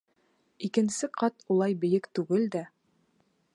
Икенсе ҡат улай бейек түгел дә.